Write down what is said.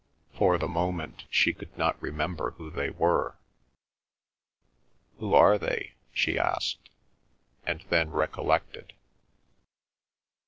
For the moment she could not remember who they were. "Who are they?" she asked, and then recollected.